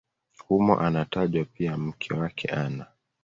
Humo anatajwa pia mke wake Ana.